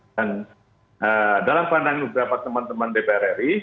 dan dalam pandang beberapa teman teman dpr ri